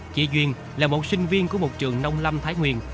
chị duyên là một sinh viên của một trường nông lâm thái nguyên